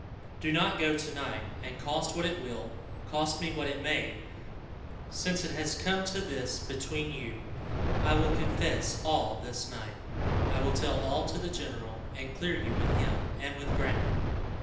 Do not go to night, and, cost what it will cost me what it may, since it has come to this between you, I will confess all this night I will tell all to the general, and clear you with him and with Granville.